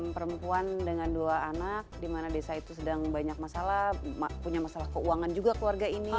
perempuan dengan dua anak di mana desa itu sedang banyak masalah punya masalah keuangan juga keluarga ini